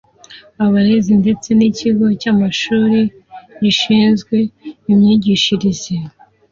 Abarezi ndetse n’ikigo cy’amashuri gishinzwe imyigishirize